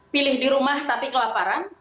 pilih di rumah tapi kelaparan